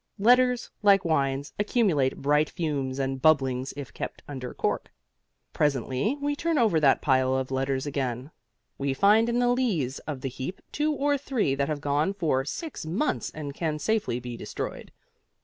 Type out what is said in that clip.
Letters, like wines, accumulate bright fumes and bubblings if kept under cork. Presently we turn over that pile of letters again. We find in the lees of the heap two or three that have gone for six months and can safely be destroyed.